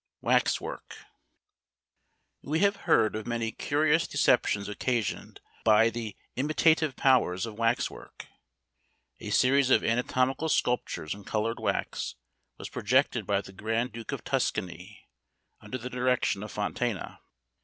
WAX WORK. We have heard of many curious deceptions occasioned by the imitative powers of wax work. A series of anatomical sculptures in coloured wax was projected by the Grand Duke of Tuscany, under the direction of Fontana.